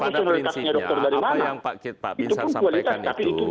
pada prinsipnya apa yang pak bisa sampaikan itu